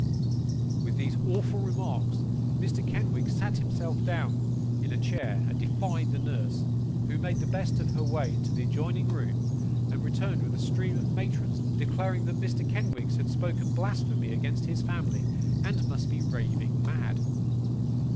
With these awful remarks, Mr. Kenwigs sat himself down in a chair, and defied the nurse, who made the best of her way into the adjoining room, and returned with a stream of matrons: declaring that Mr. Kenwigs had spoken blasphemy against his family, and must be raving mad.